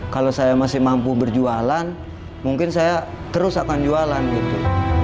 kalau saya masih mampu berjualan mungkin saya terus akan jualan gitu